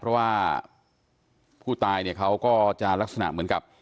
เพราะว่าผู้ตายเนี่ยเขาก็จะลักษณะเหมือนกับ